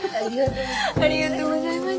ありがとうございます。